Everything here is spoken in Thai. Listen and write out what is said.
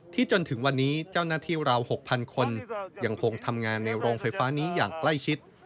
จนถึงวันนี้เจ้าหน้าที่ราว๖๐๐คนยังคงทำงานในโรงไฟฟ้านี้อย่างใกล้ชิด